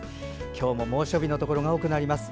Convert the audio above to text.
今日も猛暑日のところが多くなります。